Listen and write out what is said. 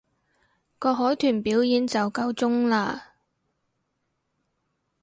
個海豚表演就夠鐘喇